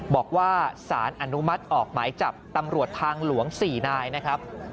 บอกว่าสารอนุมัติออกหมายจับตำรวจทางหลวง๔นายนะครับ